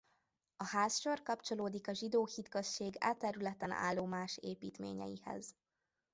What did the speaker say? A házsor kapcsolódik a zsidó hitközség e területen álló más építményeihez.